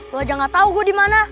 lu aja gak tau gue dimana